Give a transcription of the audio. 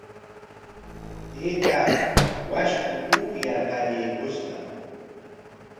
Taytaa washku upyar qallaykushqa.